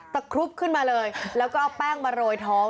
ครุบขึ้นมาเลยแล้วก็เอาแป้งมาโรยท้อง